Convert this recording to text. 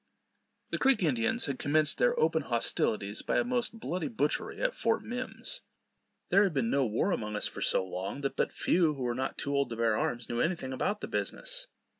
The Creek Indians had commenced their open hostilities by a most bloody butchery at Fort Mimms. There had been no war among us for so long, that but few, who were not too old to bear arms, knew any thing about the business.